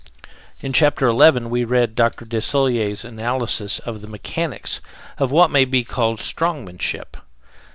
In Chapter Eleven we read Dr. Desaguliers' analysis of the mechanics of what may be called strongmanship.